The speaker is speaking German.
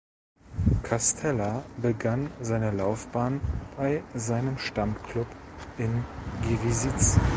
Castella begann seine Laufbahn bei seinem Stammklub in Givisiez.